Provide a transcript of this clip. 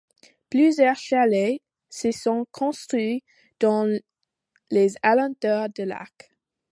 Plusieurs chalets se sont construits dans les alentours du lac.